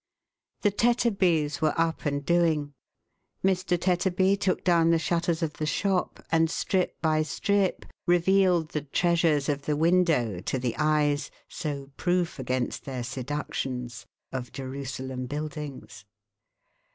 The Tetterbys were up, and doing. Mr. Tetterbv took down the shutters of the shop, and, strip by strip, revealed the treasures of the window to the eyes, so proof against their seductions, of Je 1 il }••" ~~*Sl>fci3lCiCJ»^— ^ rusalem Build, ings.